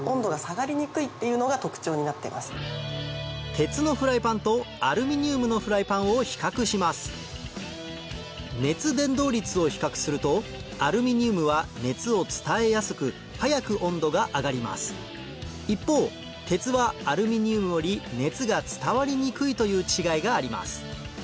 鉄のフライパンとアルミニウムのフライパンを比較します熱伝導率を比較するとアルミニウムは熱を伝えやすく早く温度が上がります一方鉄はアルミニウムより熱が伝わりにくいという違いがあります